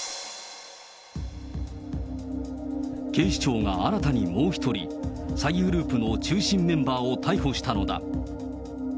警視庁が新たにもう１人、詐欺グループの中心メンバーを逮捕したのだ。